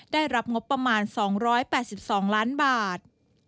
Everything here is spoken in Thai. ได้รับงบประมาณ๒๘๒ล้านบาท